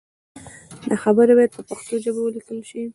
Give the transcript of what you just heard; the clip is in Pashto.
دا خبرې باید په پښتو ژبه ولیکل شي.